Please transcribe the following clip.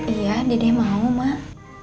iya dede mau mak